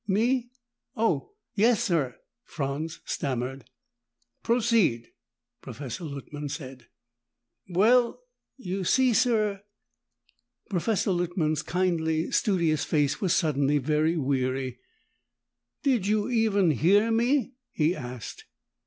"Me? Oh! Yes, sir," Franz stammered. "Proceed," Professor Luttman said. "Well You see, sir " Professor Luttman's kindly, studious face was suddenly very weary. "Did you even hear me?" he asked.